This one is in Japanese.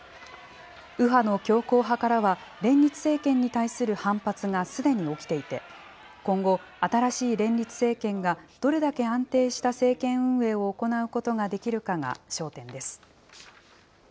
右派の強硬派からは、連立政権に対する反発がすでに起きていて、今後、新しい連立政権がどれだけ安定した政権運営を行うことができるかが焦点です。